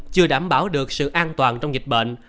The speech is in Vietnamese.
chưa đảm bảo được sự an toàn trong dịch bệnh